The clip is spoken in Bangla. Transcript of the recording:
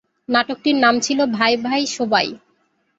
নাটকটির নাম ছিল ভাই ভাই শোবাই।